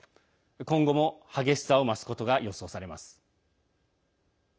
今後も、激しさを増すことが予想されます。